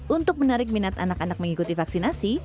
untuk menarik minat anak anak mengikuti vaksinasi